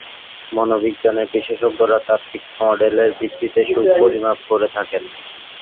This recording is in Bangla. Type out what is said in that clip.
মনোবিজ্ঞান বিশেষজ্ঞরা তাত্ত্বিক মডেলের ভিত্তিতে সুখ পরিমাপ করে থাকেন।